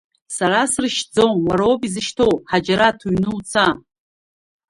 Сара сыршьӡом, уара уоуп изышьҭоу, Ҳаџьараҭ, уҩны уца!